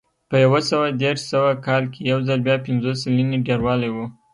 په یو سوه دېرش سوه کال کې یو ځل بیا پنځوس سلنې ډېروالی و